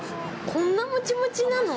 こんなもちもちなの？